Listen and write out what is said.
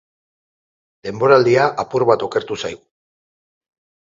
Denboraldia apur bat okertu zaigu.